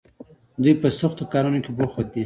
دوی په سختو کارونو کې بوخت دي.